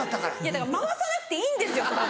だから回さなくていいんですよ！